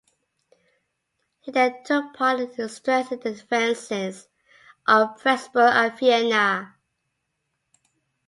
He then took part in strengthening the defences of Pressburg and Vienna.